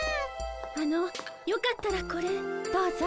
あのよかったらこれどうぞ。